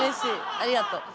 ありがと。